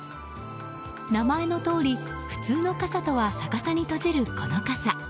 名前のとおり、普通の傘とは逆さに閉じるこの傘。